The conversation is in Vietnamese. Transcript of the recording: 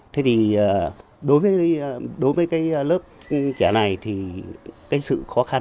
thế thì đối với cái lớp trẻ này thì cái sự khó khăn